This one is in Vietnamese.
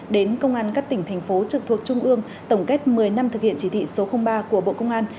đến công an các tỉnh thành phố trực thuộc trung ương tổng kết một mươi năm thực hiện chỉ thị số ba của bộ công an